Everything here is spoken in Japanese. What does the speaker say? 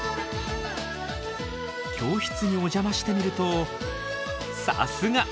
教室にお邪魔してみるとさすが！